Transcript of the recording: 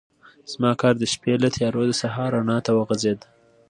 زما کار د شپې له تیارو د سهار رڼا ته وغځېد.